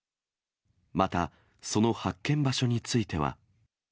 また、その発見場所については。